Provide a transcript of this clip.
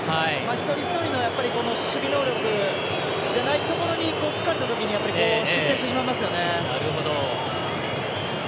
一人一人の守備能力じゃないところを突かれたときに失点してしまいますよね。